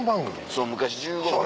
そう昔１５分。